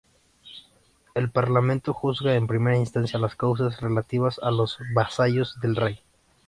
El parlamento juzga en primera instancia las causas relativas a los vasallos del rey.